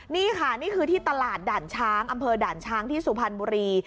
นี่ค่ะนี่คือที่ตลาดด่านช้างอำเภอด่านช้างที่สุพรรณบุรี